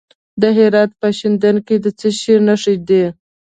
د هرات په شینډنډ کې د څه شي نښې دي؟